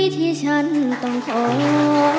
เธอไม่เคยโรศึกอะไร